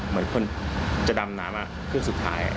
เหมือนเพิ่งจะดำน้ำมาเพิ่งสุดท้าย